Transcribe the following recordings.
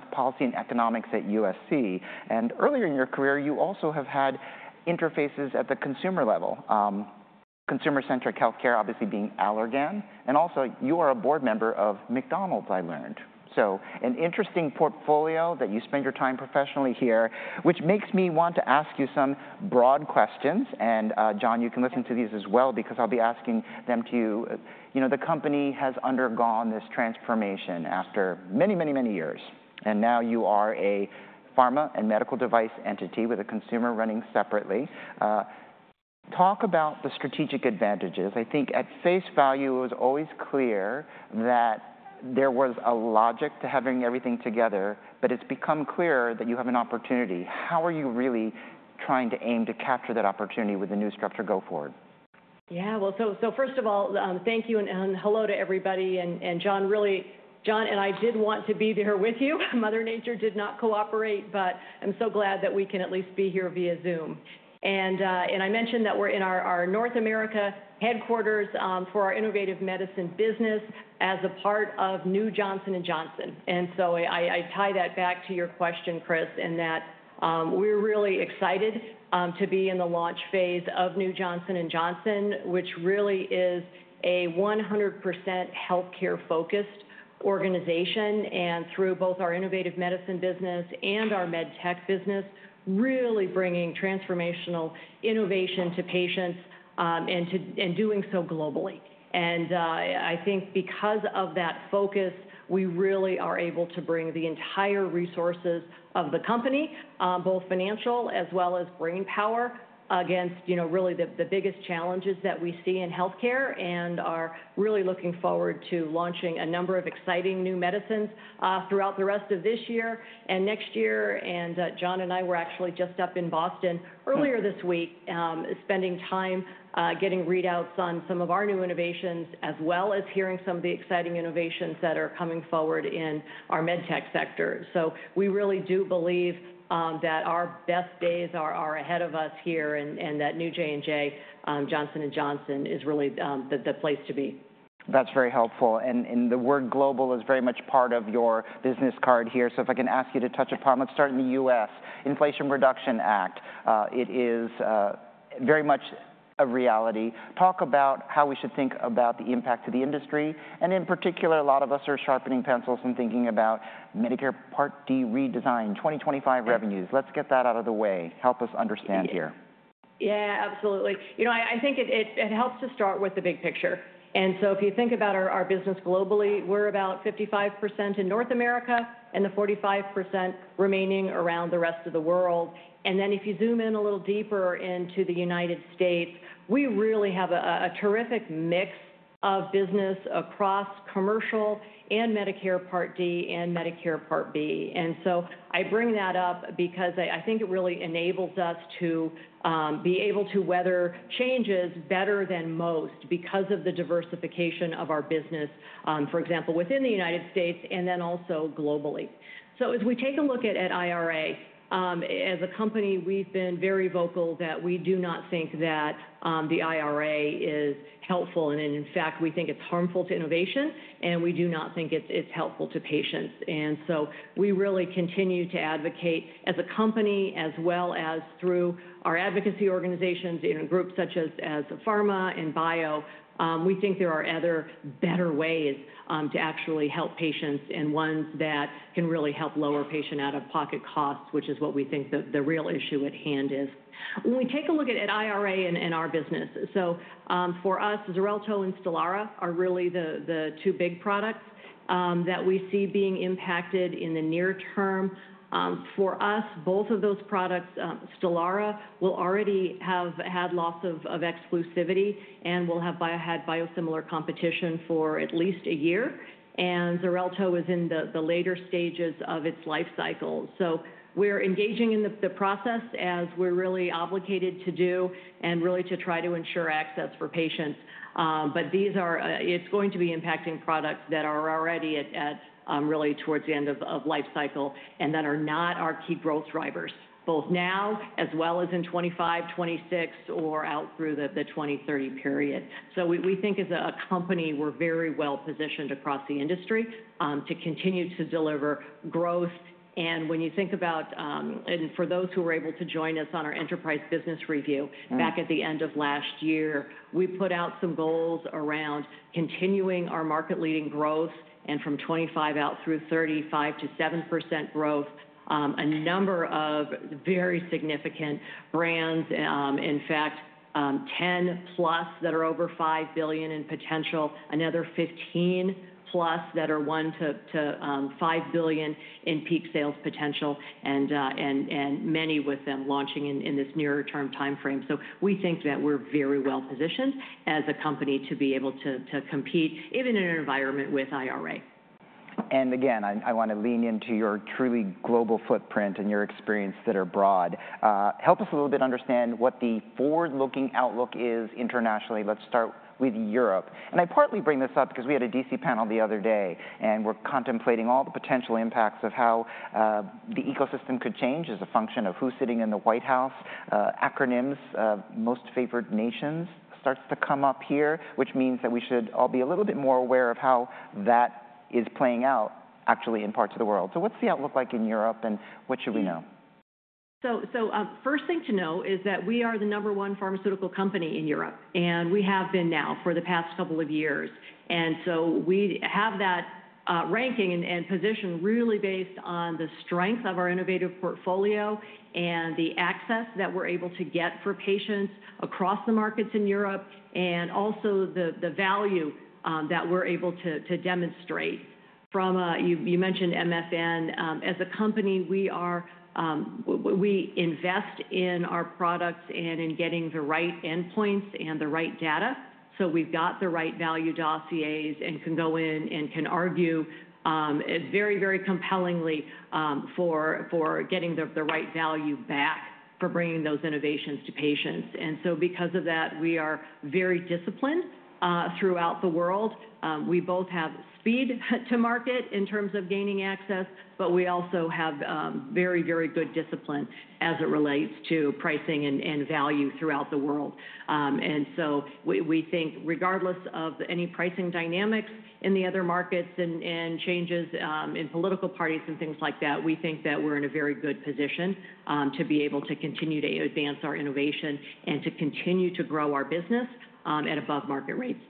Health policy and economics at USC. Earlier in your career, you also have had interfaces at the consumer level, consumer-centric health care, obviously being Allergan. Also, you are a board member of McDonald's, I learned. So an interesting portfolio that you spend your time professionally here, which makes me want to ask you some broad questions. John, you can listen to these as well, because I'll be asking them to you. The company has undergone this transformation after many, many, many years. Now you are a pharma and medical device entity with a consumer running separately. Talk about the strategic advantages. I think at face value, it was always clear that there was a logic to having everything together. But it's become clearer that you have an opportunity. How are you really trying to aim to capture that opportunity with the new structure go forward? Yeah, well, so first of all, thank you. Hello to everybody. John, really, John and I did want to be there with you. Mother Nature did not cooperate. But I'm so glad that we can at least be here via Zoom. I mentioned that we're in our North America headquarters for our Innovative Medicine business as a part of New Johnson & Johnson. So I tie that back to your question, Chris, in that we're really excited to be in the launch phase of New Johnson & Johnson, which really is a 100% health care-focused organization. Through both our Innovative Medicine business and our MedTech business, really bringing transformational innovation to patients and doing so globally. I think because of that focus, we really are able to bring the entire resources of the company, both financial as well as brain power, against really the biggest challenges that we see in health care. We are really looking forward to launching a number of exciting new medicines throughout the rest of this year and next year. John and I were actually just up in Boston earlier this week, spending time getting readouts on some of our new innovations, as well as hearing some of the exciting innovations that are coming forward in our MedTech sector. So we really do believe that our best days are ahead of us here. That new J&J Johnson & Johnson is really the place to be. That's very helpful. The word global is very much part of your business card here. So if I can ask you to touch upon, let's start in the U.S., Inflation Reduction Act. It is very much a reality. Talk about how we should think about the impact to the industry. In particular, a lot of us are sharpening pencils and thinking about Medicare Part D redesign, 2025 revenues. Let's get that out of the way. Help us understand here. Yeah, absolutely. You know, I think it helps to start with the big picture. And so if you think about our business globally, we're about 55% in North America and the 45% remaining around the rest of the world. And then if you zoom in a little deeper into the United States, we really have a terrific mix of business across commercial and Medicare Part D and Medicare Part B. And so I bring that up because I think it really enables us to be able to weather changes better than most because of the diversification of our business, for example, within the United States and then also globally. So as we take a look at IRA, as a company, we've been very vocal that we do not think that the IRA is helpful. And in fact, we think it's harmful to innovation. We do not think it's helpful to patients. So we really continue to advocate as a company, as well as through our advocacy organizations in groups such as PhRMA and BIO. We think there are other better ways to actually help patients and ones that can really help lower patient out-of-pocket costs, which is what we think the real issue at hand is. When we take a look at IRA and our business, for us, Xarelto and Stelara are really the two big products that we see being impacted in the near term. For us, both of those products, Stelara will already have had loss of exclusivity and will have had biosimilar competition for at least a year. Xarelto is in the later stages of its life cycle. So we're engaging in the process as we're really obligated to do and really to try to ensure access for patients. But these are going to be impacting products that are already really towards the end of life cycle and that are not our key growth drivers, both now as well as in 2025, 2026, or out through the 2030 period. So we think as a company, we're very well positioned across the industry to continue to deliver growth. And when you think about, and for those who were able to join us on our enterprise business review back at the end of last year, we put out some goals around continuing our market leading growth. From 2025 out through 2035, to 7% growth, a number of very significant brands, in fact, 10+ that are over $5 billion in potential, another 15+ that are $1 billion-$5 billion in peak sales potential, and many with them launching in this nearer term time frame. We think that we're very well positioned as a company to be able to compete, even in an environment with IRA. Again, I want to lean into your truly global footprint and your experience that are broad. Help us a little bit understand what the forward-looking outlook is internationally. Let's start with Europe. I partly bring this up because we had a D.C. panel the other day. We're contemplating all the potential impacts of how the ecosystem could change as a function of who's sitting in the White House. Acronyms, most favored nations starts to come up here, which means that we should all be a little bit more aware of how that is playing out actually in parts of the world. So what's the outlook like in Europe? And what should we know? First thing to know is that we are the number one pharmaceutical company in Europe. We have been now for the past couple of years. We have that ranking and position really based on the strength of our innovative portfolio and the access that we're able to get for patients across the markets in Europe, and also the value that we're able to demonstrate. You mentioned MFN. As a company, we invest in our products and in getting the right endpoints and the right data. So we've got the right value dossiers and can go in and can argue very, very compellingly for getting the right value back for bringing those innovations to patients. Because of that, we are very disciplined throughout the world. We both have speed to market in terms of gaining access. But we also have very, very good discipline as it relates to pricing and value throughout the world. And so we think regardless of any pricing dynamics in the other markets and changes in political parties and things like that, we think that we're in a very good position to be able to continue to advance our innovation and to continue to grow our business at above market rates.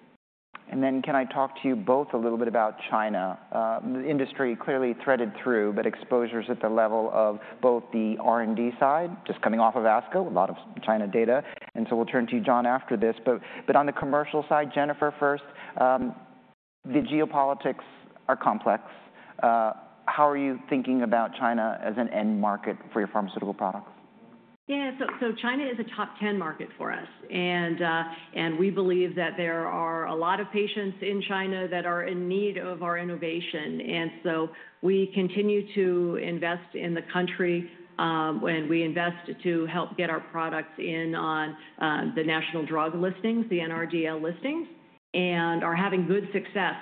And then, can I talk to you both a little bit about China? The industry clearly threaded through, but exposures at the level of both the R&D side, just coming off of ASCO, a lot of China data. And so we'll turn to you, John, after this. But on the commercial side, Jennifer first. The geopolitics are complex. How are you thinking about China as an end market for your pharmaceutical products? Yeah, so China is a top 10 market for us. And we believe that there are a lot of patients in China that are in need of our innovation. And so we continue to invest in the country, and we invest to help get our products in on the national drug listings, the NRDL listings, and are having good success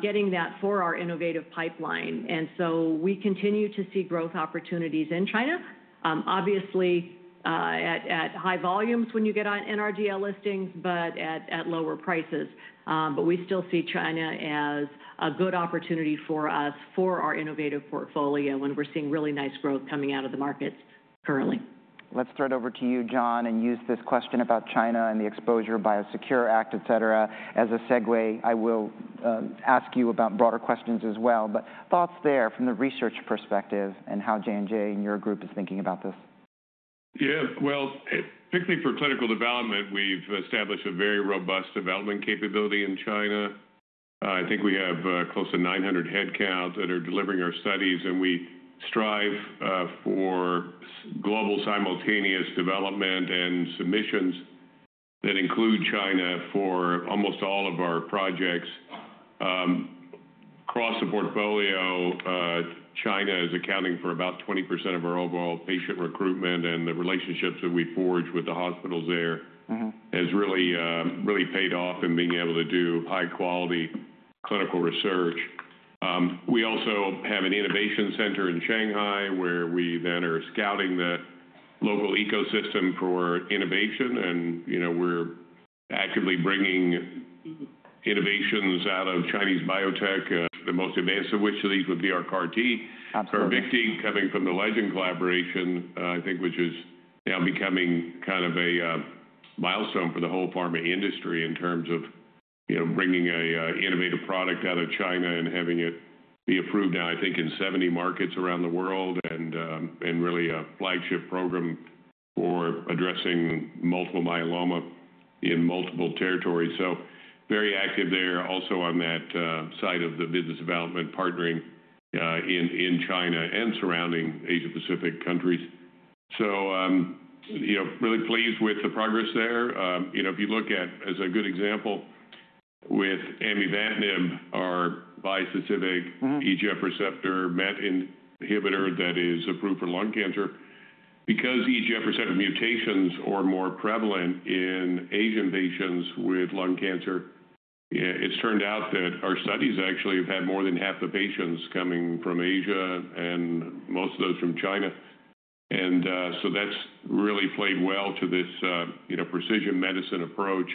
getting that for our innovative pipeline. And so we continue to see growth opportunities in China, obviously at high volumes when you get on NRDL listings, but at lower prices. But we still see China as a good opportunity for us for our innovative portfolio when we're seeing really nice growth coming out of the markets currently. Let's turn it over to you, John, and use this question about China and the exposure by a Biosecure Act, etc., as a segue. I will ask you about broader questions as well. But thoughts there from the research perspective and how J&J and your group is thinking about this? Yeah, well, particularly for clinical development, we've established a very robust development capability in China. I think we have close to 900 headcounts that are delivering our studies. And we strive for global simultaneous development and submissions that include China for almost all of our projects. Across the portfolio, China is accounting for about 20% of our overall patient recruitment. And the relationships that we forge with the hospitals there has really paid off in being able to do high-quality clinical research. We also have an innovation center in Shanghai, where we then are scouting the local ecosystem for innovation. And we're actively bringing innovations out of Chinese biotech, the most advanced of which of these would be our CAR-T. Absolutely. Carvykti coming from the Legend collaboration, I think, which is now becoming kind of a milestone for the whole pharma industry in terms of bringing an innovative product out of China and having it be approved now, I think, in 70 markets around the world and really a flagship program for addressing multiple myeloma in multiple territories. So very active there also on that side of the business development partnering in China and surrounding Asia-Pacific countries. So really pleased with the progress there. If you look at, as a good example, with amivantamab, our bispecific EGFR MET inhibitor that is approved for lung cancer. Because EGFR mutations are more prevalent in Asian patients with lung cancer, it's turned out that our studies actually have had more than half the patients coming from Asia and most of those from China. And so that's really played well to this precision medicine approach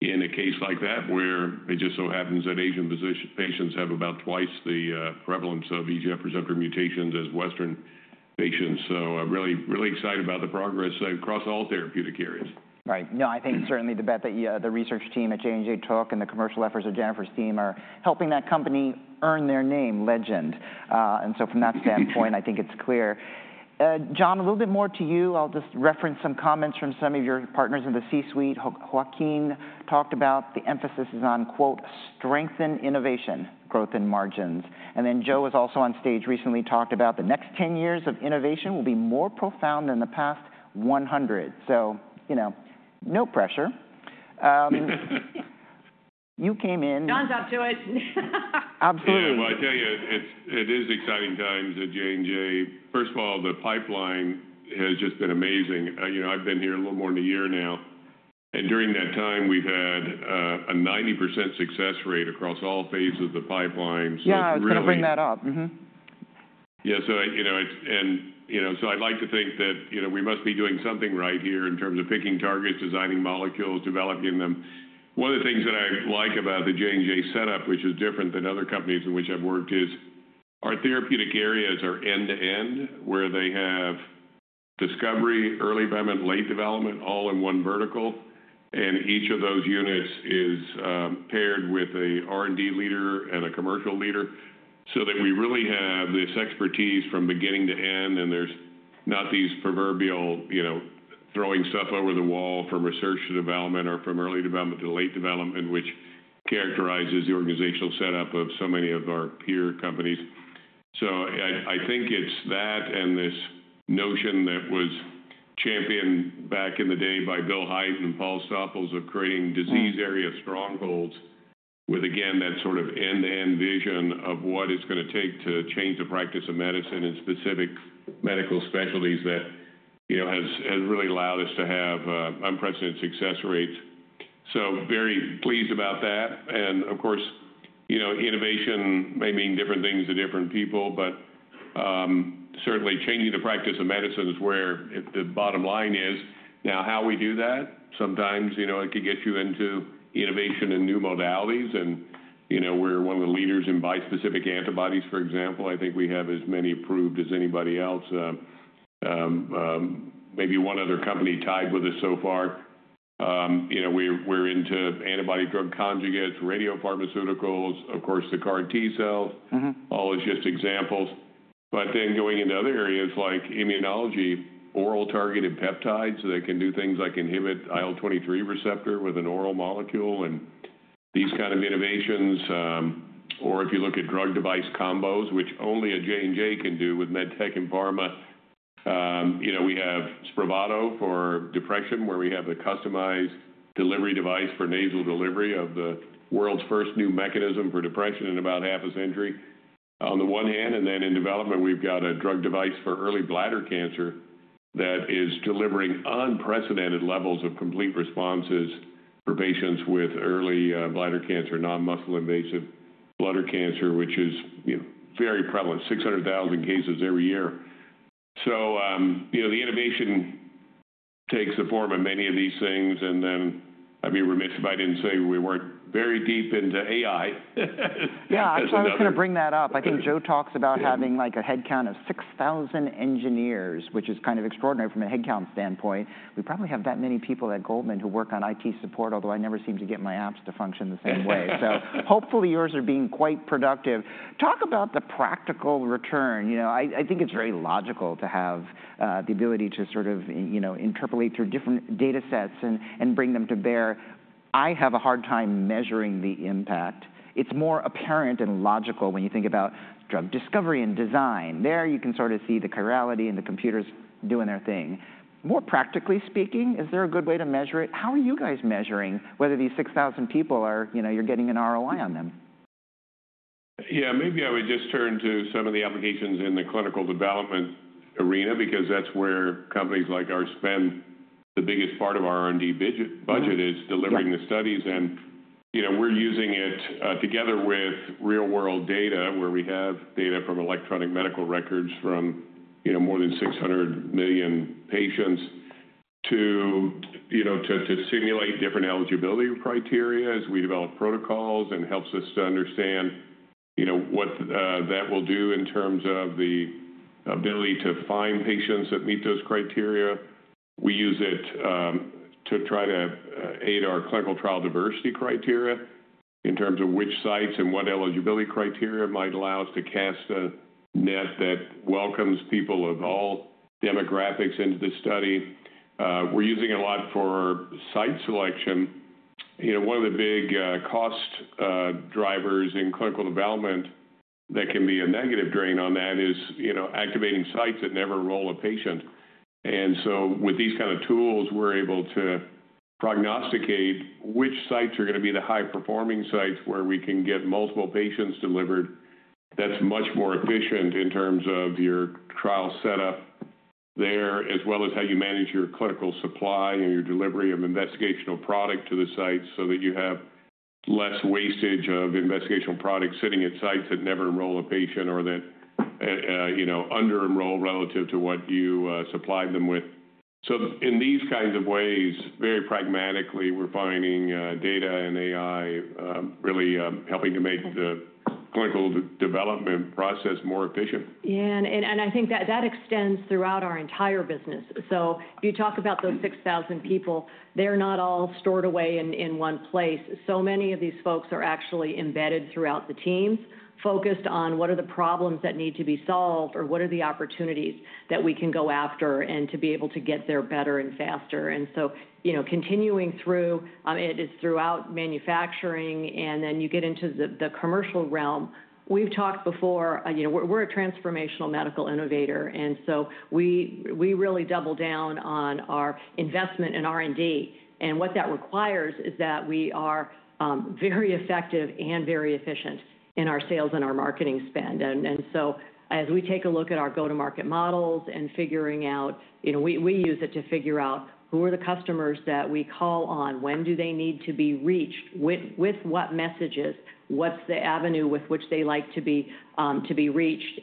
in a case like that, where it just so happens that Asian patients have about twice the prevalence of EGF receptor mutations as Western patients. So really excited about the progress across all therapeutic areas. Right. No, I think certainly the research team at J&J, along with the commercial efforts of Jennifer's team, are helping that company earn their name, Legend. And so from that standpoint, I think it's clear. John, a little bit more to you. I'll just reference some comments from some of your partners in the C-suite. Joaquin talked about the emphasis is on, quote, strengthen innovation, growth, and margins. And then Joe was also on stage recently talked about the next 10 years of innovation will be more profound than the past 100. So no pressure. You came in. John's up to it. Absolutely. Well, I tell you, it is exciting times at J&J. First of all, the pipeline has just been amazing. I've been here a little more than a year now. During that time, we've had a 90% success rate across all phases of the pipeline. Yeah, I was going to bring that up. Yeah, so I'd like to think that we must be doing something right here in terms of picking targets, designing molecules, developing them. One of the things that I like about the J&J setup, which is different than other companies in which I've worked, is our therapeutic areas are end-to-end, where they have discovery, early development, late development, all in one vertical. And each of those units is paired with an R&D leader and a commercial leader so that we really have this expertise from beginning to end. And there's not these proverbial throwing stuff over the wall from research to development or from early development to late development, which characterizes the organizational setup of so many of our peer companies. So I think it's that and this notion that was championed back in the day by Bill Hait and Paul Stoffels of creating disease area strongholds with, again, that sort of end-to-end vision of what it's going to take to change the practice of medicine in specific medical specialties that has really allowed us to have unprecedented success rates. So very pleased about that. And of course, innovation may mean different things to different people. But certainly, changing the practice of medicine is where the bottom line is. Now, how we do that, sometimes it could get you into innovation and new modalities. And we're one of the leaders in bispecific antibodies, for example. I think we have as many approved as anybody else. Maybe one other company tied with us so far. We're into antibody drug conjugates, radio pharmaceuticals, of course, the CAR-T cells. All is just examples. But then going into other areas like immunology, oral targeted peptides that can do things like inhibit IL-23 receptor with an oral molecule and these kind of innovations. Or if you look at drug device combos, which only a J&J can do with MedTech and pharma. We have Spravato for depression, where we have a customized delivery device for nasal delivery of the world's first new mechanism for depression in about half a century on the one hand. And then in development, we've got a drug device for early bladder cancer that is delivering unprecedented levels of complete responses for patients with early bladder cancer, non-muscle invasive bladder cancer, which is very prevalent, 600,000 cases every year. So the innovation takes the form of many of these things. And then I'd be remiss if I didn't say we weren't very deep into AI. Yeah, I was going to bring that up. I think Joe talks about having a headcount of 6,000 engineers, which is kind of extraordinary from a headcount standpoint. We probably have that many people at Goldman who work on IT support, although I never seem to get my apps to function the same way. So hopefully, yours are being quite productive. Talk about the practical return. I think it's very logical to have the ability to sort of interpolate through different data sets and bring them to bear. I have a hard time measuring the impact. It's more apparent and logical when you think about drug discovery and design. There you can sort of see the chirality and the computers doing their thing. More practically speaking, is there a good way to measure it? How are you guys measuring whether these 6,000 people are or you're getting an ROI on them? Yeah, maybe I would just turn to some of the applications in the clinical development arena, because that's where companies like ours spend the biggest part of our R&D budget, is delivering the studies. We're using it together with real-world data, where we have data from electronic medical records from more than 600 million patients to simulate different eligibility criteria as we develop protocols and helps us to understand what that will do in terms of the ability to find patients that meet those criteria. We use it to try to aid our clinical trial diversity criteria in terms of which sites and what eligibility criteria might allow us to cast a net that welcomes people of all demographics into the study. We're using it a lot for site selection. One of the big cost drivers in clinical development that can be a negative drain on that is activating sites that never enroll a patient. And so with these kind of tools, we're able to prognosticate which sites are going to be the high-performing sites where we can get multiple patients delivered. That's much more efficient in terms of your trial setup there, as well as how you manage your clinical supply and your delivery of investigational product to the sites so that you have less wastage of investigational product sitting at sites that never enroll a patient or that under-enroll relative to what you supplied them with. So in these kinds of ways, very pragmatically, we're finding data and AI really helping to make the clinical development process more efficient. Yeah, and I think that extends throughout our entire business. So if you talk about those 6,000 people, they're not all stored away in one place. So many of these folks are actually embedded throughout the teams, focused on what are the problems that need to be solved or what are the opportunities that we can go after and to be able to get there better and faster. And so continuing through it is throughout manufacturing. And then you get into the commercial realm. We've talked before. We're a transformational medical innovator. And so we really double down on our investment in R&D. And what that requires is that we are very effective and very efficient in our sales and our marketing spend. As we take a look at our go-to-market models and figuring out we use it to figure out who are the customers that we call on, when do they need to be reached, with what messages, what's the avenue with which they like to be reached.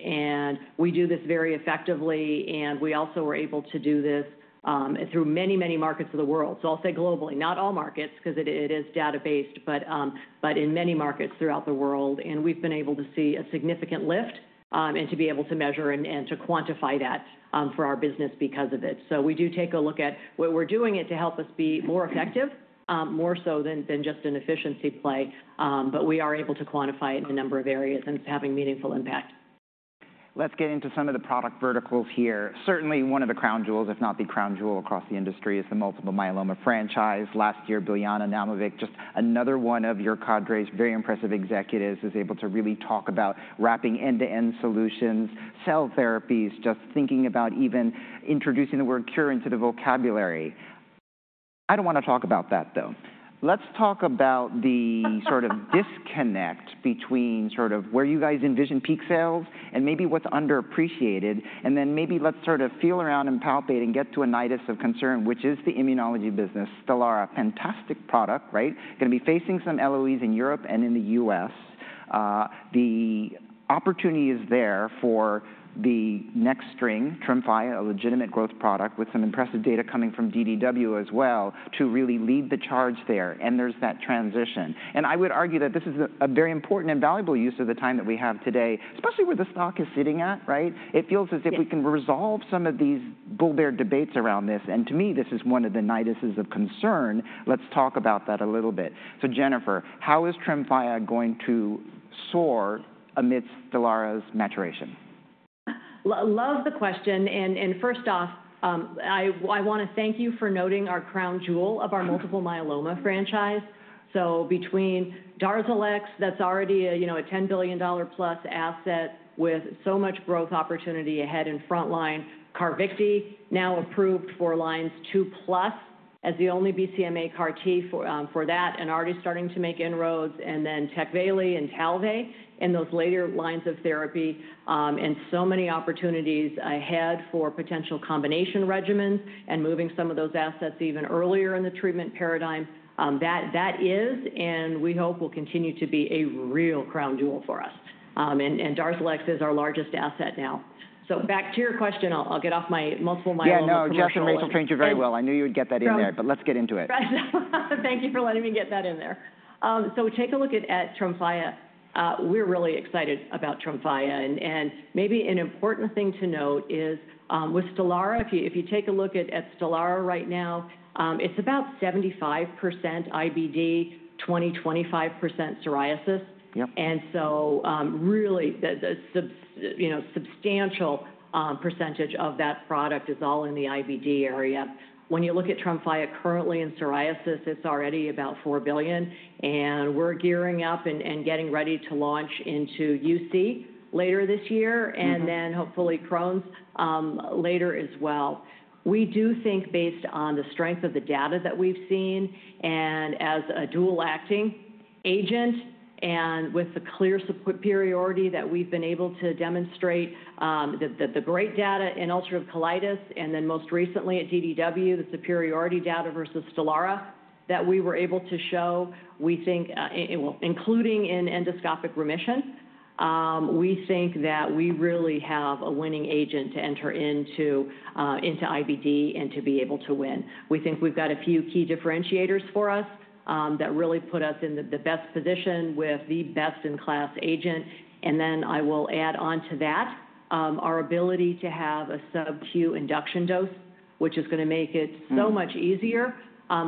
We do this very effectively. We also were able to do this through many, many markets of the world. So I'll say globally, not all markets, because it is data-based, but in many markets throughout the world. We've been able to see a significant lift and to be able to measure and to quantify that for our business because of it. We do take a look at what we're doing to help us be more effective, more so than just an efficiency play. But we are able to quantify it in a number of areas and it's having meaningful impact. Let's get into some of the product verticals here. Certainly, one of the crown jewels, if not the crown jewel across the industry, is the multiple myeloma franchise. Last year, Biljana Naumovic, just another one of your cadre's very impressive executives, was able to really talk about wrapping end-to-end solutions, cell therapies, just thinking about even introducing the word cure into the vocabulary. I don't want to talk about that, though. Let's talk about the sort of disconnect between sort of where you guys envision peak sales and maybe what's underappreciated. And then maybe let's sort of feel around and palpate and get to a nidus of concern, which is the immunology business. Stelara, fantastic product, right? Going to be facing some losses in Europe and in the U.S. The opportunity is there for the next string, Tremfya, a legitimate growth product with some impressive data coming from DDW as well to really lead the charge there. There's that transition. I would argue that this is a very important and valuable use of the time that we have today, especially where the stock is sitting at, right? It feels as if we can resolve some of these bullbear debates around this. To me, this is one of the niduses of concern. Let's talk about that a little bit. So Jennifer, how is Tremfya going to soar amidst Stelara's maturation? Love the question. First off, I want to thank you for noting our crown jewel of our multiple myeloma franchise. Between Darzalex, that's already a $10 billion+ asset with so much growth opportunity ahead in front line, Carvykti, now approved for lines 2+ as the only BCMA CAR-T for that, and already starting to make inroads. Then Tecvayli and Talvey in those later lines of therapy and so many opportunities ahead for potential combination regimens and moving some of those assets even earlier in the treatment paradigm. That is, and we hope will continue to be a real crown jewel for us. Darzalex is our largest asset now. Back to your question, I'll get off my multiple myeloma franchise. Yeah, no, Justin and Rachel trained you very well. I knew you would get that in there. But let's get into it. Thank you for letting me get that in there. So take a look at Tremfya. We're really excited about Tremfya. And maybe an important thing to note is with Stelara, if you take a look at Stelara right now, it's about 75% IBD, 20%-25% psoriasis. And so really the substantial percentage of that product is all in the IBD area. When you look at Tremfya currently in psoriasis, it's already about $4 billion. And we're gearing up and getting ready to launch into UC later this year and then hopefully Crohn's later as well. We do think, based on the strength of the data that we've seen and as a dual-acting agent and with the clear superiority that we've been able to demonstrate, the great data in ulcerative colitis and then most recently at DDW, the superiority data versus Stelara that we were able to show. We think, including in endoscopic remission, we think that we really have a winning agent to enter into IBD and to be able to win. We think we've got a few key differentiators for us that really put us in the best position with the best-in-class agent. And then I will add on to that our ability to have a sub-Q induction dose, which is going to make it so much easier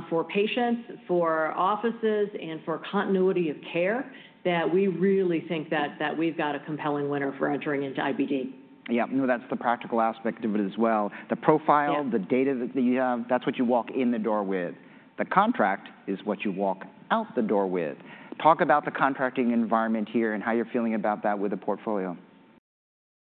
for patients, for offices, and for continuity of care that we really think that we've got a compelling winner for entering into IBD. Yeah, no, that's the practical aspect of it as well. The profile, the data that you have, that's what you walk in the door with. The contract is what you walk out the door with. Talk about the contracting environment here and how you're feeling about that with the portfolio.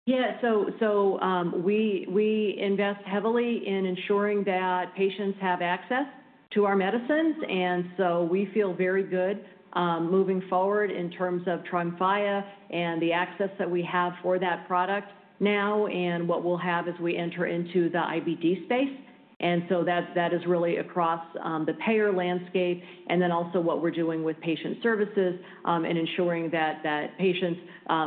Yeah, so we invest heavily in ensuring that patients have access to our medicines. And so we feel very good moving forward in terms of Tremfya and the access that we have for that product now. And what we'll have as we enter into the IBD space. And so that is really across the payer landscape. And then also what we're doing with patient services and ensuring that patients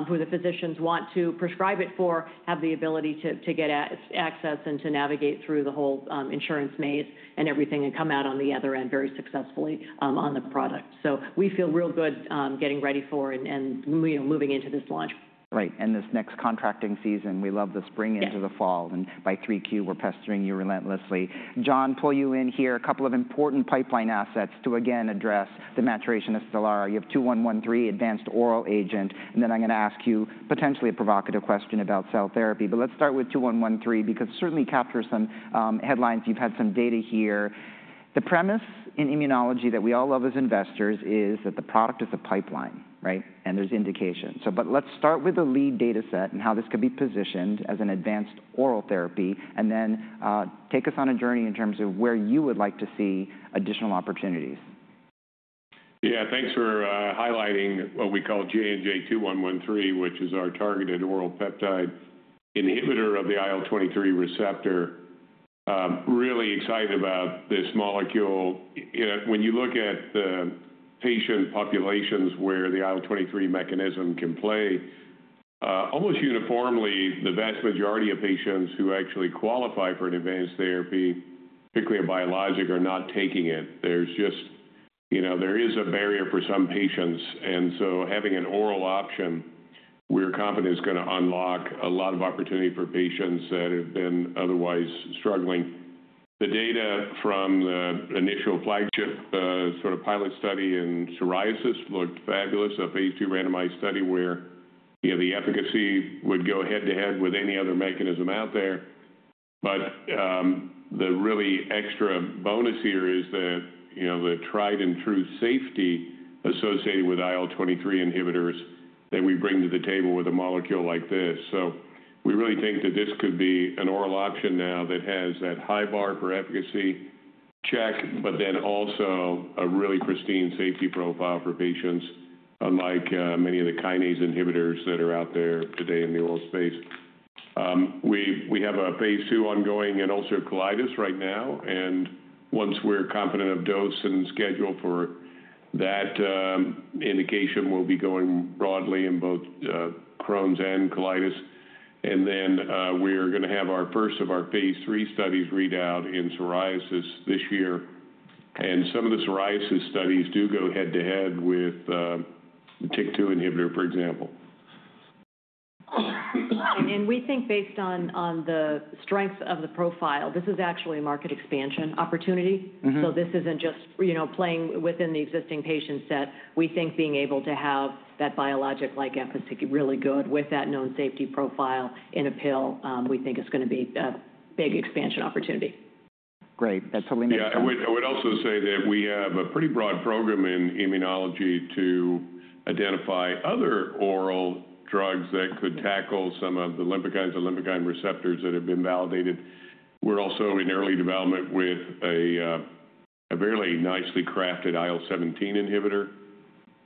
who the physicians want to prescribe it for have the ability to get access and to navigate through the whole insurance maze and everything and come out on the other end very successfully on the product. So we feel real good getting ready for and moving into this launch. Right, and this next contracting season, we love the spring into the fall. And by 3Q, we're pestering you relentlessly. John, pull you in here. A couple of important pipeline assets to again address the maturation of Stelara. You have 2113, advanced oral agent. And then I'm going to ask you potentially a provocative question about cell therapy. But let's start with 2113 because it certainly captures some headlines. You've had some data here. The premise in immunology that we all love as investors is that the product is a pipeline, right? And there's indication. But let's start with the lead data set and how this could be positioned as an advanced oral therapy. And then take us on a journey in terms of where you would like to see additional opportunities. Yeah, thanks for highlighting what we call JNJ-2113, which is our targeted oral peptide inhibitor of the IL-23 receptor. Really excited about this molecule. When you look at the patient populations where the IL-23 mechanism can play, almost uniformly, the vast majority of patients who actually qualify for an advanced therapy, particularly a biologic, are not taking it. There's just a barrier for some patients. And so having an oral option, we're confident it's going to unlock a lot of opportunity for patients that have been otherwise struggling. The data from the initial flagship sort of pilot study in psoriasis looked fabulous, a phase II randomized study where the efficacy would go head to head with any other mechanism out there. But the really extra bonus here is the tried and true safety associated with IL-23 inhibitors that we bring to the table with a molecule like this. So we really think that this could be an oral option now that has that high bar for efficacy check, but then also a really pristine safety profile for patients unlike many of the kinase inhibitors that are out there today in the oral space. We have a phase II ongoing in ulcerative colitis right now. And once we're confident of dose and schedule for that, indication will be going broadly in both Crohn's and colitis. And then we're going to have our first of our phase III studies read out in psoriasis this year. And some of the psoriasis studies do go head to head with the TYK2 inhibitor, for example. We think based on the strength of the profile, this is actually market expansion opportunity. This isn't just playing within the existing patient set. We think being able to have that biologic-like efficacy really good with that known safety profile in a pill, we think is going to be a big expansion opportunity. Great. That's what we need. Yeah, I would also say that we have a pretty broad program in immunology to identify other oral drugs that could tackle some of the lymphocytes and lymphocyte receptors that have been validated. We're also in early development with a fairly nicely crafted IL-17 inhibitor.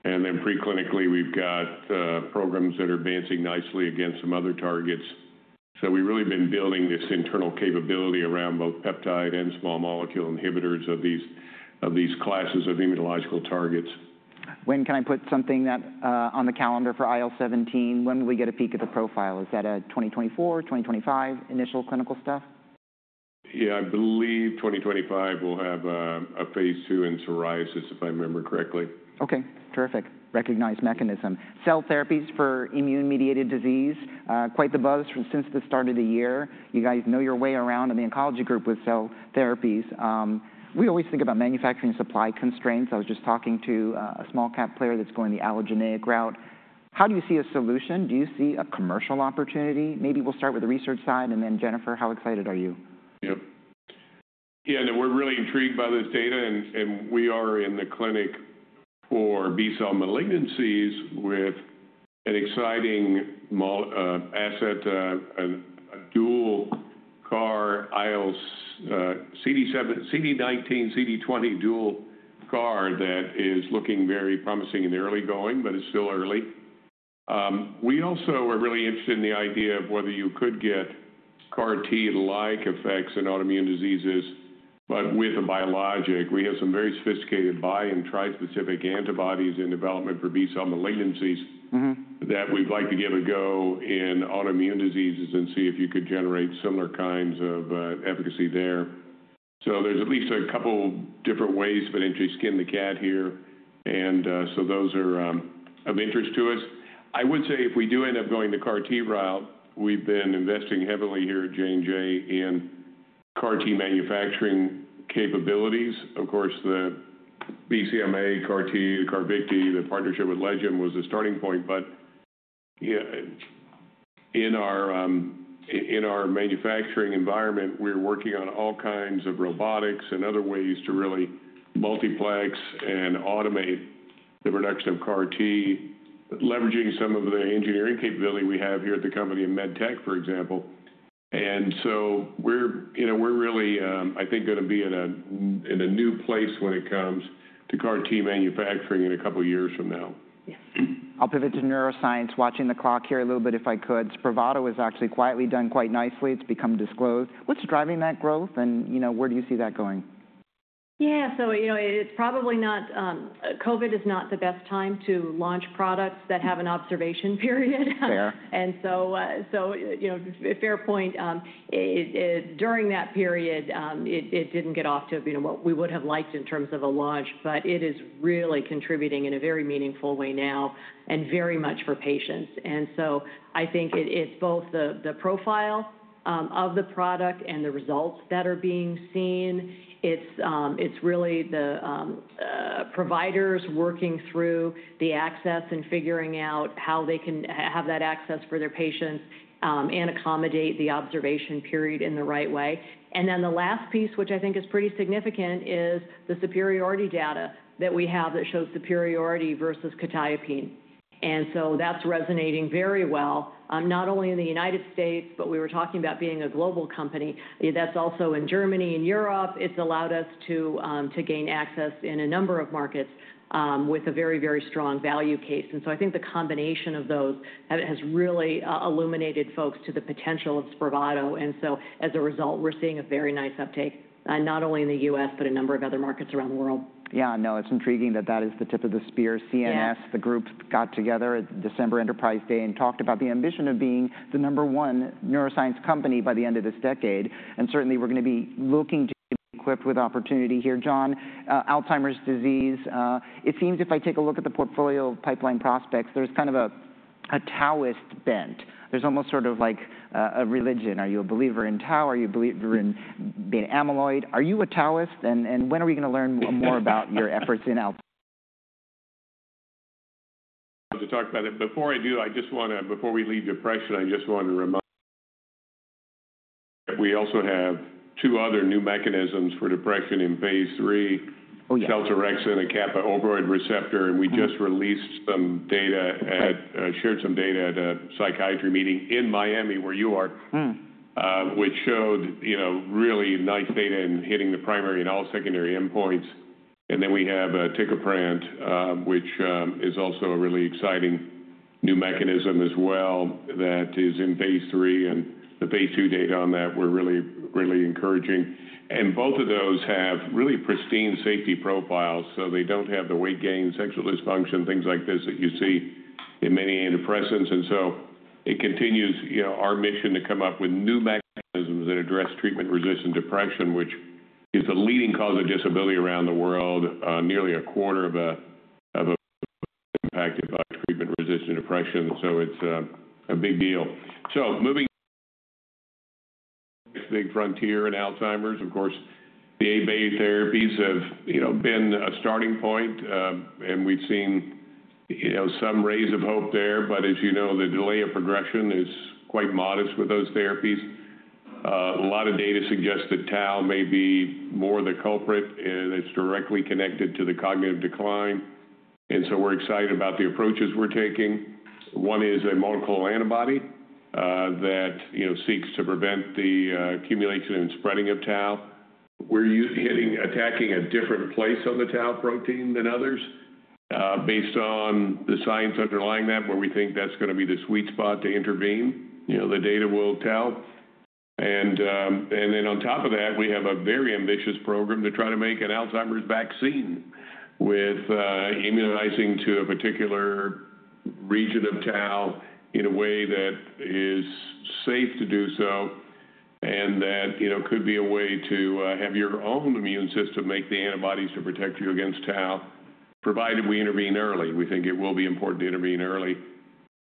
And then preclinically, we've got programs that are advancing nicely against some other targets. So we've really been building this internal capability around both peptide and small molecule inhibitors of these classes of immunological targets. When can I put something on the calendar for IL-17? When will we get a peek at the profile? Is that a 2024, 2025 initial clinical stuff? Yeah, I believe 2025 we'll have a phase II in psoriasis, if I remember correctly. OK, terrific. Recognized mechanism. Cell therapies for immune-mediated disease, quite the buzz since the start of the year. You guys know your way around. And the oncology group with cell therapies. We always think about manufacturing supply constraints. I was just talking to a small-cap player that's going the allogeneic route. How do you see a solution? Do you see a commercial opportunity? Maybe we'll start with the research side. And then Jennifer, how excited are you? Yeah, yeah, we're really intrigued by this data. We are in the clinic for B-cell malignancies with an exciting asset, a dual CAR-T, CD19, CD20 dual CAR-T that is looking very promising in the early going, but it's still early. We also are really interested in the idea of whether you could get CAR-T-like effects in autoimmune diseases, but with a biologic. We have some very sophisticated bi- and tri-specific antibodies in development for B-cell malignancies that we'd like to give a go in autoimmune diseases and see if you could generate similar kinds of efficacy there. So there's at least a couple different ways to potentially skin the cat here. Those are of interest to us. I would say if we do end up going the CAR-T route, we've been investing heavily here at J&J in CAR-T manufacturing capabilities. Of course, the BCMA, CAR-T, the Carvykti, the partnership with Legend was the starting point. But in our manufacturing environment, we're working on all kinds of robotics and other ways to really multiplex and automate the production of CAR-T, leveraging some of the engineering capability we have here at the company in MedTech, for example. And so we're really, I think, going to be in a new place when it comes to CAR-T manufacturing in a couple of years from now. I'll pivot to neuroscience, watching the clock here a little bit if I could. Spravato has actually quietly done quite nicely. It's become disclosed. What's driving that growth? And where do you see that going? Yeah, so it's probably not. COVID is not the best time to launch products that have an observation period. Fair. And so fair point. During that period, it didn't get off to what we would have liked in terms of a launch. But it is really contributing in a very meaningful way now and very much for patients. And so I think it's both the profile of the product and the results that are being seen. It's really the providers working through the access and figuring out how they can have that access for their patients and accommodate the observation period in the right way. And then the last piece, which I think is pretty significant, is the superiority data that we have that shows superiority versus quetiapine. And so that's resonating very well, not only in the United States, but we were talking about being a global company. That's also in Germany, in Europe. It's allowed us to gain access in a number of markets with a very, very strong value case. And so I think the combination of those has really illuminated folks to the potential of Spravato. And so as a result, we're seeing a very nice uptake, not only in the U.S., but a number of other markets around the world. Yeah, no, it's intriguing that that is the tip of the spear. CNS, the group got together at December Enterprise Day and talked about the ambition of being the number one neuroscience company by the end of this decade. Certainly, we're going to be looking to be equipped with opportunity here. John, Alzheimer's disease, it seems if I take a look at the portfolio of pipeline prospects, there's kind of a tauist bent. There's almost sort of like a religion. Are you a believer in tau? Are you a believer in being amyloid? Are you a tauist? And when are we going to learn more about your efforts in Alzheimer's? To talk about it, before I do, I just want to, before we leave depression, I just want to remind we also have 2 other new mechanisms for depression in phase III, seltorexant and a kappa opioid receptor. And we just released some data at, shared some data at a psychiatry meeting in Miami, where you are, which showed really nice data in hitting the primary and all secondary endpoints. And then we have aticaprant, which is also a really exciting new mechanism as well that is in phase III. And the phase II data on that, we're really, really encouraging. And both of those have really pristine safety profiles. So they don't have the weight gain, sexual dysfunction, things like this that you see in many antidepressants. It continues our mission to come up with new mechanisms that address treatment-resistant depression, which is the leading cause of disability around the world, nearly a quarter of the impacted by treatment-resistant depression. It's a big deal. Moving to the next big frontier in Alzheimer's, of course, the A-beta therapies have been a starting point. We've seen some rays of hope there. But as you know, the delay of progression is quite modest with those therapies. A lot of data suggests that Tau may be more the culprit. It's directly connected to the cognitive decline. We're excited about the approaches we're taking. One is a monoclonal antibody that seeks to prevent the accumulation and spreading of Tau. We're hitting, attacking a different place on the Tau protein than others based on the science underlying that, where we think that's going to be the sweet spot to intervene. The data will tell. And then on top of that, we have a very ambitious program to try to make an Alzheimer's vaccine with immunizing to a particular region of Tau in a way that is safe to do so and that could be a way to have your own immune system make the antibodies to protect you against Tau, provided we intervene early. We think it will be important to intervene early.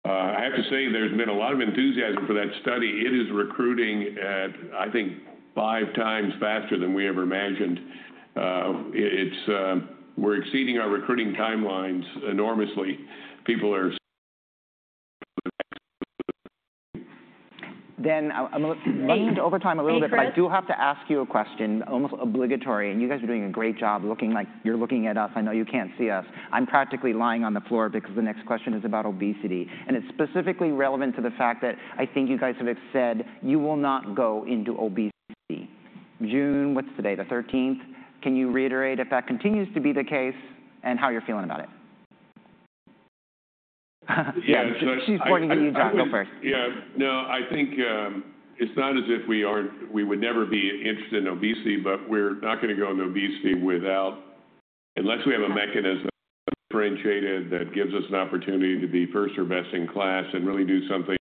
I have to say there's been a lot of enthusiasm for that study. It is recruiting, I think, 5x faster than we ever imagined. We're exceeding our recruiting timelines enormously. People are. Then I'm late into overtime a little bit, but I do have to ask you a question, almost obligatory. And you guys are doing a great job. You're looking at us. I know you can't see us. I'm practically lying on the floor because the next question is about obesity. And it's specifically relevant to the fact that I think you guys have said you will not go into obesity. June, what's today, the 13th? Can you reiterate if that continues to be the case and how you're feeling about it? Yeah. She's pointing to you, John. Go first. Yeah, no, I think it's not as if we would never be interested in obesity, but we're not going to go into obesity without, unless we have a mechanism differentiated that gives us an opportunity to be first or best in class and really do something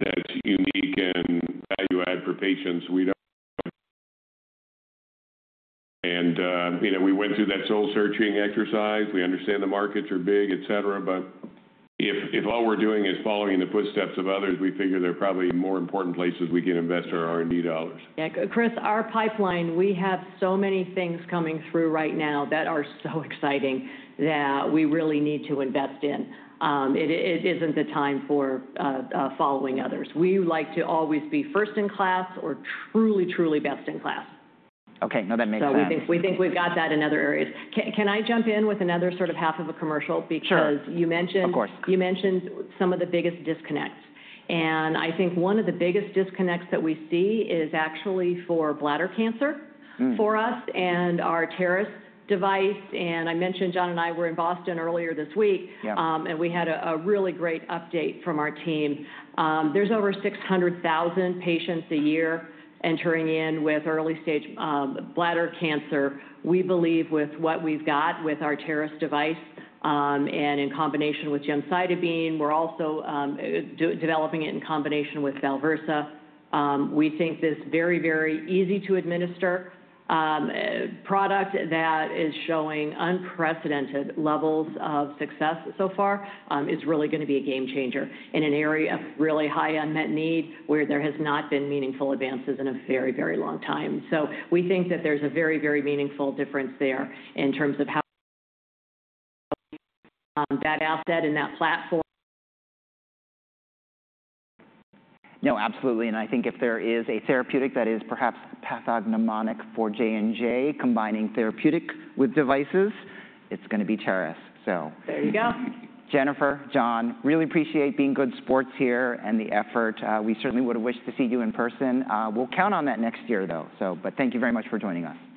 that's unique and value-add for patients. And we went through that soul searching exercise. We understand the markets are big, etc. But if all we're doing is following the footsteps of others, we figure there are probably more important places we can invest our R&D dollars. Yeah, Chris, our pipeline, we have so many things coming through right now that are so exciting that we really need to invest in. It isn't the time for following others. We like to always be first in class or truly, truly best in class. OK, no, that makes sense. We think we've got that in other areas. Can I jump in with another sort of half of a commercial? Sure. Because you mentioned some of the biggest disconnects. I think one of the biggest disconnects that we see is actually for bladder cancer for us and our TAR-200 device. I mentioned John and I were in Boston earlier this week. We had a really great update from our team. There's over 600,000 patients a year entering in with early stage bladder cancer. We believe with what we've got with our TAR-200 device and in combination with gemcitabine, we're also developing it in combination with Balversa. We think this very, very easy to administer product that is showing unprecedented levels of success so far is really going to be a game changer in an area of really high unmet need where there has not been meaningful advances in a very, very long time. We think that there's a very, very meaningful difference there in terms of how that asset and that platform. No, absolutely. I think if there is a therapeutic that is perhaps pathognomonic for J&J, combining therapeutic with devices, it's going to be TAR-200. So. There you go. Jennifer, John, really appreciate being good sports here and the effort. We certainly would have wished to see you in person. We'll count on that next year, though. Thank you very much for joining us.